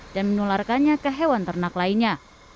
dan menularkannya ke hewan ternak lainnya